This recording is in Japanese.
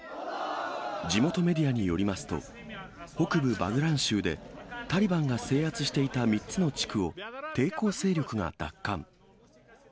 地元メディアによりますと、北部バグラン州で、タリバンが制圧していた３つの地区を抵抗勢力が奪還。